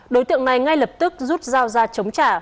đối tượng này ngay lập tức rút dao ra chống trả